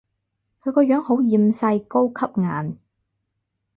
佢個樣好厭世，高級顏